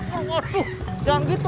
tuh jangan gitu